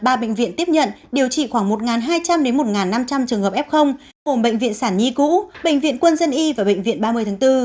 ba bệnh viện tiếp nhận điều trị khoảng một hai trăm linh đến một năm trăm linh trường hợp f gồm bệnh viện sản nhi cũ bệnh viện quân dân y và bệnh viện ba mươi tháng bốn